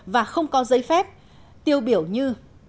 và không có giấy phép tiêu biểu như